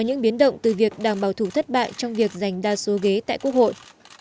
những biến động từ việc đảng bảo thủ thất bại trong việc giành đa số ghế tại quốc hội